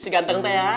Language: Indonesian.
si ganteng tuh ya